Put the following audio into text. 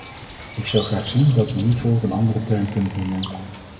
Ik zou graag zien dat we hiervoor een andere term kunnen vinden.